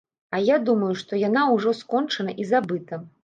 А я думаў, што яна ўжо скончана і забыта.